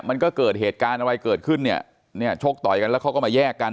มันก็เกิดเหตุการณ์อะไรเกิดขึ้นเนี่ยเนี่ยชกต่อยกันแล้วเขาก็มาแยกกัน